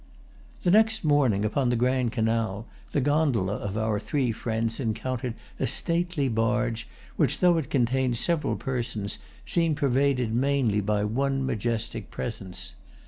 The next morning, upon the Grand Canal, the gondola of our three friends encountered a stately barge which, though it contained several persons, seemed pervaded mainly by one majestic presence.